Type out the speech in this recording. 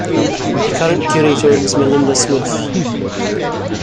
The current curator is Melinda Smith.